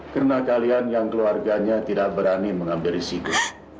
karena kalian yang keluarganya tidak berani mengambil risiko